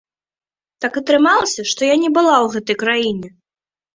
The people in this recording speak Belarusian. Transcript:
Так атрымалася, што я не была ў гэтай краіне.